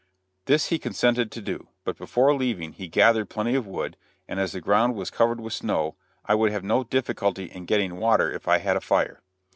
This he consented to do; but before leaving he gathered plenty of wood, and as the ground was covered with snow, I would have no difficulty in getting water if I had a fire.